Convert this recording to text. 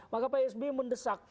maka pak sbi mendesak